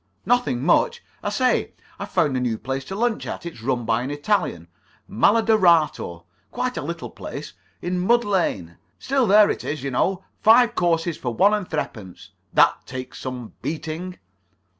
"Nothing much. I say, I've found a new place to lunch at. It's run by an Italian, Malodorato. Quite a little place, in Mud Lane. Still there it is, you know. Five courses for one and threepence. That takes some beating."